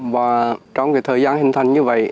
và trong cái thời gian hình thành như vậy